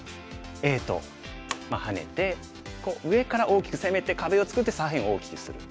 Ａとハネて上から大きく攻めて壁を作って左辺を大きくする。